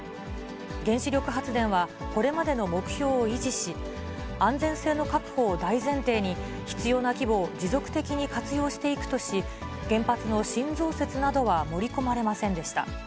原子力発電は、これまでの目標を維持し、安全性の確保を大前提に、必要な規模を持続的に活用していくとし、原発の新増設などは盛り込まれませんでした。